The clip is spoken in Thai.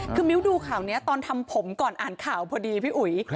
คือมิ้วดูข่าวนี้ตอนทำผมก่อนอ่านข่าวพอดีพี่อุ๋ย